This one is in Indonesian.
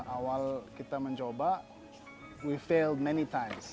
awal kita mencoba kita gagal banyak kali